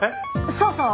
そうそう。